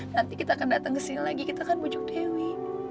nanti kita akan datang ke sini lagi kita akan bujuk dewi